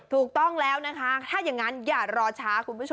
ถูกต้องแล้วนะคะถ้าอย่างนั้นอย่ารอช้าคุณผู้ชม